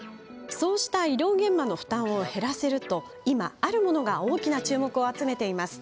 そうした医療現場の負担を減らせると今、あるものが大きな注目を集めています。